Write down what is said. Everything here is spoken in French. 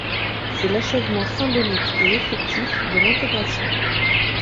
C’est l’achèvement symbolique et effectif de l’intégration.